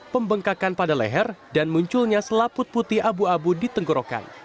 pembengkakan pada leher dan munculnya selaput putih abu abu di tenggorokan